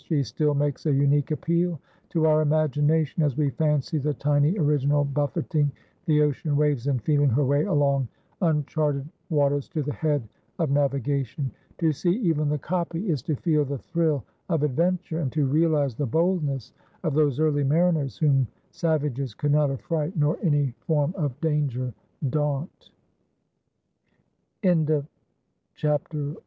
She still makes a unique appeal to our imagination as we fancy the tiny original buffeting the ocean waves and feeling her way along uncharted waters to the head of navigation. To see even the copy is to feel the thrill of adventure and to realize the boldness of those early mariners whom savages could n